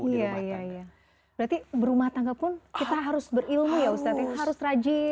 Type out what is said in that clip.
berarti rumah tangga pun kita harus berilmu ya ustazin